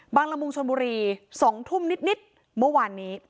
ละมุงชนบุรี๒ทุ่มนิดเมื่อวานนี้